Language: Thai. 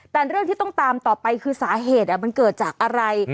แต่เรื่องที่ต้องตามต่อไปคือสาเหตุมันเกิดจากอะไร